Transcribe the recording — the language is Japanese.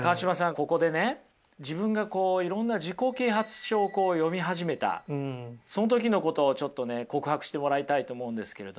ここでね自分がこういろんな自己啓発書を読み始めたその時のことをちょっとね告白してもらいたいと思うんですけれども。